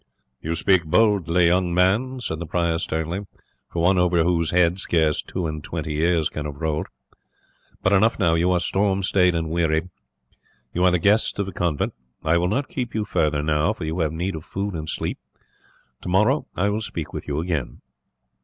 "You speak boldly, young sir," the prior said, sternly, "for one over whose head scarce two and twenty years can have rolled; but enough now. You are storm staid and wearied; you are the guests of the convent. I will not keep you further now, for you have need of food and sleep. Tomorrow I will speak with you again."